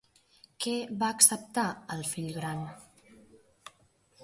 Què va acceptar el fill gran?